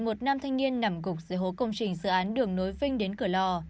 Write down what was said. một nam thanh niên nằm gục dưới hố công trình dự án đường nối vinh đến cửa lò